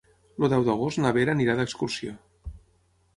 El deu d'agost na Vera anirà d'excursió.